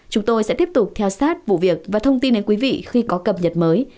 chúng tôi sẽ tiếp tục theo sát vụ việc và thông tin đến quý vị khi có cập nhật mới